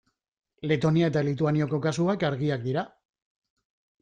Letonia eta Lituaniako kasuak argiak dira.